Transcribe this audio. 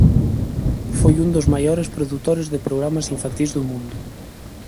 Foi un dos maiores produtores de programas infantís do mundo.